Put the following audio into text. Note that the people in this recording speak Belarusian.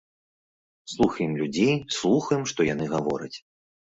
Слухаем людзей, слухаем, што яны гавораць.